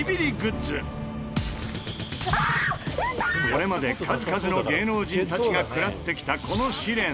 これまで数々の芸能人たちが食らってきたこの試練。